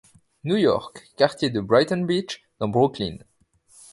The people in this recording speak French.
New York, quartier de Brighton Beach dans Brooklyn.